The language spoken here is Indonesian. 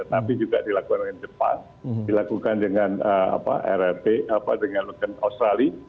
tapi juga dilakukan oleh jepang dilakukan dengan rrt dengan australia